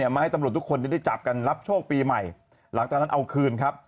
มาให้ตำรวจทุกคนได้จับกันรับโชคปีใหม่หลังจากนั้นเอาคืนครับ